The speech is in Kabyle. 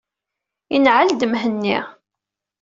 Inɛel-d Mhenni.